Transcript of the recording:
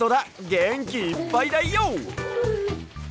げんきいっぱいだＹＯ！